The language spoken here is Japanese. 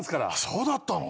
そうだったの？